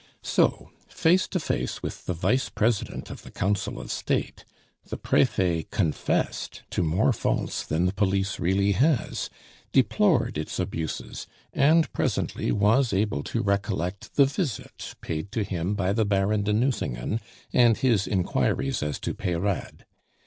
So, face to face with the Vice President of the Council of State, the Prefet confessed to more faults than the police really has, deplored its abuses, and presently was able to recollect the visit paid to him by the Baron de Nucingen and his inquiries as to Peyrade.